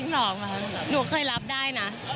หนูเคยรับได้นะ